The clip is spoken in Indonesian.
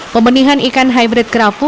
pembenihan ikan hybrid kerapu